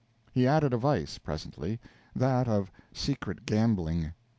He added a vice, presently that of secret gambling.